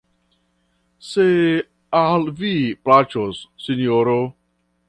Se al vi plaĉos, Sinjoro...